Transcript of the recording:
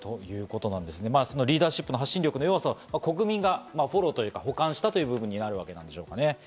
リーダーシップの発信力の弱さ、国民がフォローというか補完したという部分になるわけでしょうね。